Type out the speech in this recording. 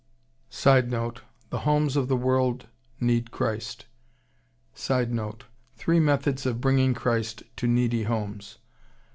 [Sidenote: The homes of the world need Christ.] [Sidenote: Three methods of bringing Christ to needy homes.